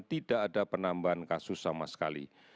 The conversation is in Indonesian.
tidak ada penambahan kasus sama sekali